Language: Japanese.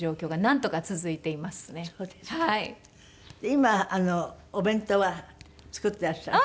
今お弁当は作っていらっしゃる？